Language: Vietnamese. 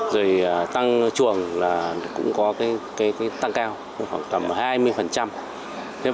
rồi tăng chuồng cũng có tăng cao khoảng hai mươi